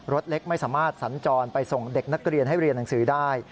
รถเล็กไม่สามารถสัญจรไปส่งเด็กนักเรียนให้เรียนหนังสือได้